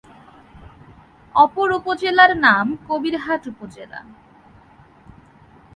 অপর উপজেলার নাম কবিরহাট উপজেলা।